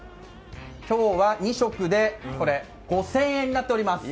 今日は２食で５０００円になっております。